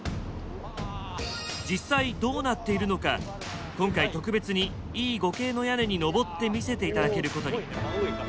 実際どうなっているのか今回特別にＥ５系の屋根に上って見せて頂けることに。